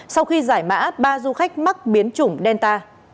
sau khi giải mã ba du khách mắc biến chủng delta